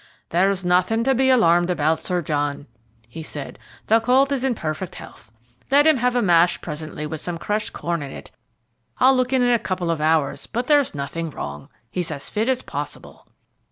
"There's nothing to be alarmed about, Sir John," he said. "The colt is in perfect health. Let him have a mash presently with some crushed corn in it. I'll look in in a couple of hours, but there's nothing wrong. He is as fit as possible."